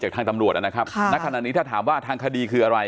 ทางตำรวจนะครับณขณะนี้ถ้าถามว่าทางคดีคืออะไร